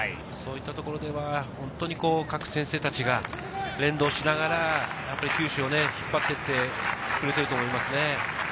そういったところでは本当に各先生たちが、連動しながら九州を引っ張っていってくれていると思いますね。